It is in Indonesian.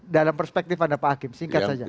dalam perspektif anda pak hakim singkat saja